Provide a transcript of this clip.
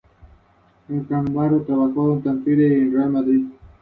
Habita en Brasil, Colombia y Venezuela.